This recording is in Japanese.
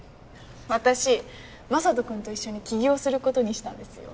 私雅人君と一緒に起業することにしたんですよ。